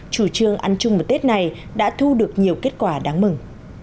chủ trương ăn chung một tết này đã thu được nhiều kết quả đáng mừng